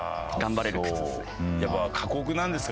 やっぱ過酷なんですか？